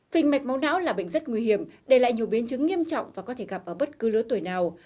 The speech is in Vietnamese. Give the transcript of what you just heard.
kinh mạch máu não là bệnh rất nguy hiểm để lại nhiều biến chứng nghiêm trọng và có thể gặp ở bất cứ lứa tuổi nào